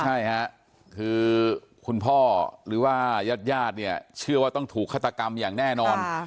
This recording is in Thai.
ใช่ค่ะคือคุณพ่อหรือว่าญาติญาติเนี่ยเชื่อว่าต้องถูกฆาตกรรมอย่างแน่นอน